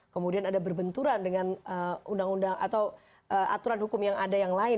kemudian ada berbenturan dengan undang undang atau aturan hukum yang ada yang lain